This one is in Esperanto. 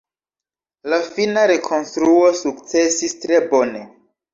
La fina rekonstruo sukcesis tre bone.